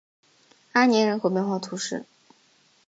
阿年人口变化图示